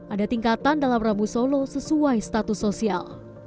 ada tingkatan dalam rabu solo sesuai status sosial